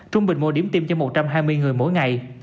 trung bình mỗi điểm tiêm cho một trăm hai mươi người mỗi ngày